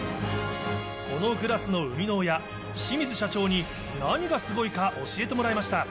このグラスの生みの親、清水社長に、何がすごいか教えてもらいました。